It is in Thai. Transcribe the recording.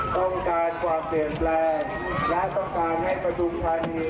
ขอบคุณทุกคนนะครับ